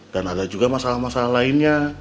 dan ada juga masalah masalah lainnya